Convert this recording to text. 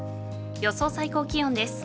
予想最高気温です。